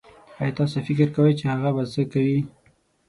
ايا تاسو فکر کوي چې هغه به سه کوئ